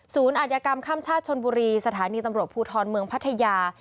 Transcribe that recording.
อาจยกรรมข้ามชาติชนบุรีสถานีตำรวจภูทรเมืองพัทยา